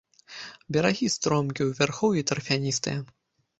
Берагі стромкія, у вярхоўі тарфяністыя.